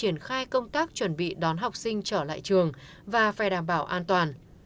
ngay công tác chuẩn bị đón học sinh trở lại trường và phải đảm bảo an toàn